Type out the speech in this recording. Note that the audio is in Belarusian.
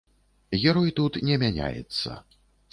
Герой тут не мяняецца.